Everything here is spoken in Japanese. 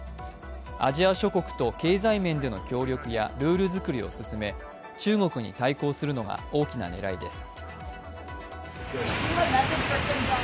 アジア諸国と経済面での協力やルール作りを進め、中国に対抗するのが大きな狙いです。